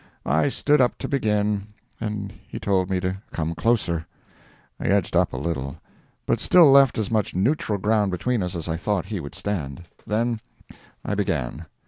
I stood up to begin, and he told me to come closer. I edged up a little, but still left as much neutral ground between us as I thought he would stand. Then I began.